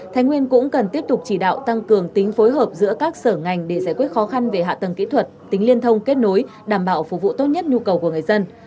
thái nguyên cũng cần tiếp tục chỉ đạo tăng cường tính phối hợp giữa các sở ngành để giải quyết khó khăn về hạ tầng kỹ thuật tính liên thông kết nối đảm bảo phục vụ tốt nhất nhu cầu của người dân